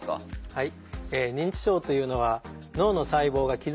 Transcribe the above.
はい。